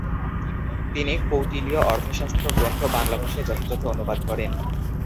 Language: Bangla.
তিনি ‘কৌটিলীয় অর্থশাস্ত্র' গ্রন্থ বাংলা ভাষায় যথাযথ অনুবাদ করেন।